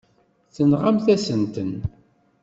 Tenɣamt-asent-ten.